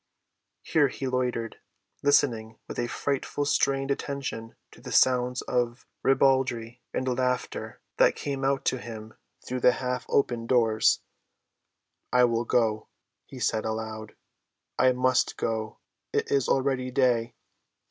Here he loitered, listening with a frightful, strained attention to the sounds of ribaldry and laughter that came out to him through the half‐open doors. "I will go," he said aloud. "I must go. It is already day."